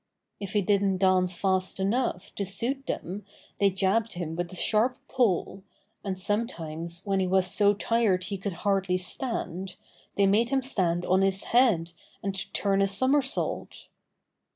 If he didn't dance fast enough to suit them they jabbed him with the sharp pole, and sometimes when he was so tired he could hardly stand they made him stand on his head and turn a somer sault.